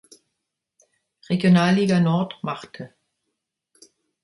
Regionalliga Nord machte.